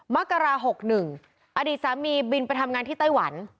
มกรา๖๑อดีตสามีบินไปทำงานที่ไต้หวัน